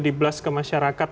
di blast ke masyarakat